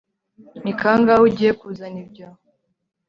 Ni kangahe ugiye kuzana ibyo